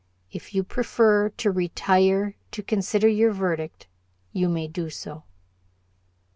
If you prefer to retire to consider your verdict, you may do so."